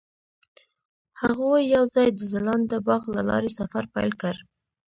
هغوی یوځای د ځلانده باغ له لارې سفر پیل کړ.